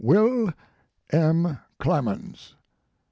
"WILL M. CLEMENS.